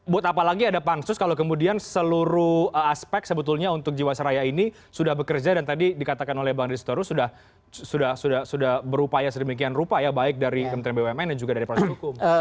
buat apalagi ada pansus kalau kemudian seluruh aspek sebetulnya untuk jiwasraya ini sudah bekerja dan tadi dikatakan oleh bang ristoru sudah berupaya sedemikian rupa ya baik dari kementerian bumn dan juga dari proses hukum